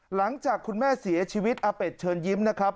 หลังจากคุณแม่เสียชีวิตอาเป็ดเชิญยิ้มนะครับ